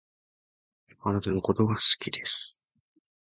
貴方のことが好きです